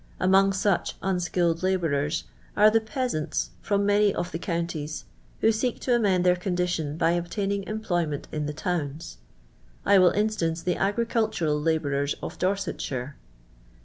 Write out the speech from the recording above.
Among such (unskilled) labourers arc the pea smts from many of the counties, who seek to nnicnd their condition by obtaining employment in the t^wns. I will instance the agricultural labourers uf Dorsetshire.